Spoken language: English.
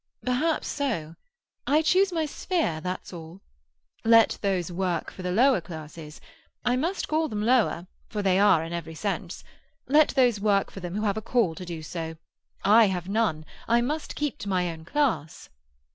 "Perhaps so. I choose my sphere, that's all. Let those work for the lower classes (I must call them lower, for they are, in every sense), let those work for them who have a call to do so. I have none. I must keep to my own class."